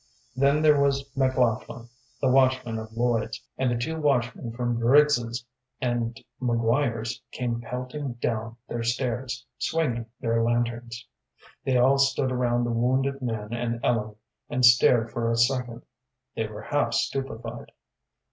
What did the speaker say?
Then there was McLaughlin, the watchman of Lloyd's, and the two watchmen from Briggs's and McGuire's came pelting down their stairs, swinging their lanterns. They all stood around the wounded man and Ellen, and stared for a second. They were half stupefied.